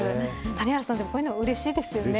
谷原さん、こういうのはうれしいですよね。